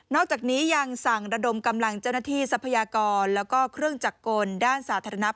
อกจากนี้ยังสั่งระดมกำลังเจ้าหน้าที่ทรัพยากรแล้วก็เครื่องจักรกลด้านสาธารณ